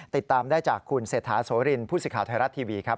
ติดตามได้จากคุณเศรษฐาโสรินผู้สิทธิ์ไทยรัฐทีวีครับ